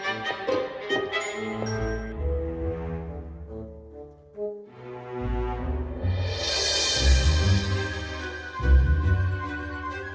tuan brownlow mengatakan bahwa dia sudah membawa oliver ke rumahnya